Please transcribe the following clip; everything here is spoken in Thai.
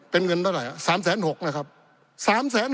ปี๑เกณฑ์ทหารแสน๒